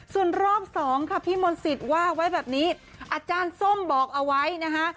ส่วนรอบ๒พี่มนติศว่าไว้แบบนี้อาจารย์ส้มบอกเอาไว้นะฮะ